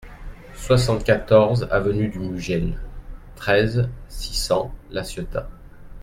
soixante-quatorze avenue du Mugel, treize, six cents, La Ciotat